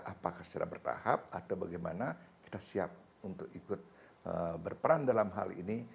apakah secara bertahap atau bagaimana kita siap untuk ikut berperan dalam hal ini